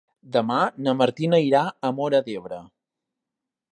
Demà na Martina irà a Móra d'Ebre.